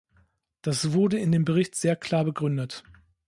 Das wurde in dem Bericht sehr klar begründet.